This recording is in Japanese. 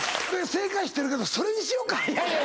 正解知ってるけどそれにしようか。